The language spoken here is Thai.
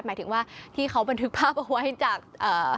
หมายถึงว่าที่เขาบันทึกภาพเอาไว้จาก